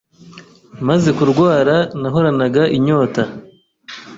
Maze kurwara nahoranaga inyota